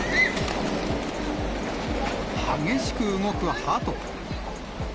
激しく動くハト。